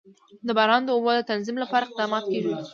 د باران د اوبو د تنظیم لپاره اقدامات کېږي.